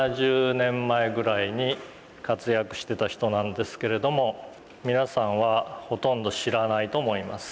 ７０年前ぐらいに活躍してた人なんですけれども皆さんはほとんど知らないと思います。